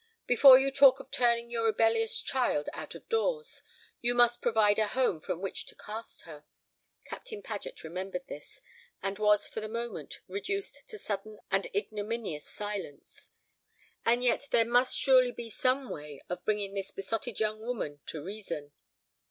Before you talk of turning your rebellious child out of doors, you must provide a home from which to cast her. Captain Paget remembered this, and was for the moment reduced to sudden and ignominious silence. And yet there must surely be some way of bringing this besotted young woman to reason.